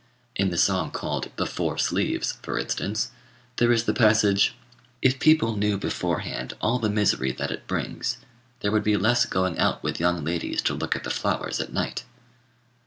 In the song called "The Four Sleeves," for instance, there is the passage, "If people knew beforehand all the misery that it brings, there would be less going out with young ladies, to look at the flowers at night."